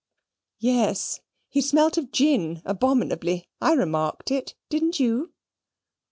Yes: he smelt of gin abominably. I remarked it. Didn't you?"